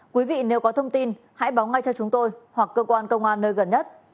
quý vị nếu có thông tin hãy báo ngay cho chúng tôi hoặc cơ quan công an nơi gần nhất